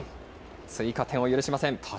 追加点を許しません。